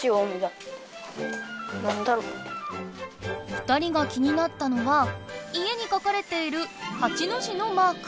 ２人が気になったのは家に書かれている八の字のマーク。